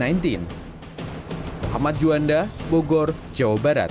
muhammad juanda bogor jawa barat